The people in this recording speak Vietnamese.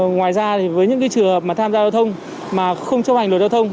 ngoài ra với những trường hợp tham gia giao thông mà không chấp hành luật giao thông